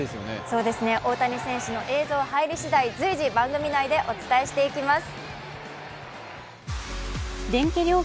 そうですね、大谷選手の映像入りしだい随時、番組内でお伝えしていきます